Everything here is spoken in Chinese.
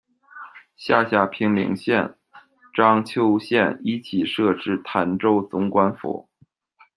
下辖平陵县、章丘县，一起设置谭州总管府。